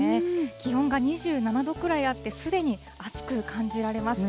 気温が２７度くらいあって、すでに暑く感じられます。